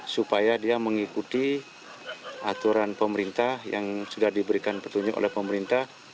supaya dia mengikuti aturan pemerintah yang sudah diberikan petunjuk oleh pemerintah